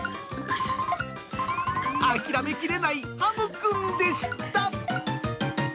諦めきれないハムくんでした。